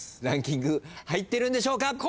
ランキング入ってるんでしょうか。